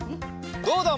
どうだ？